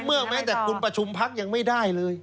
เมื่อแม้แต่คุณประชุมพักยังไม่ได้เลย